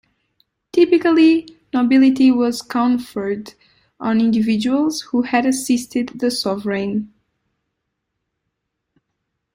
Typically, nobility was conferred on individuals who had assisted the sovereign.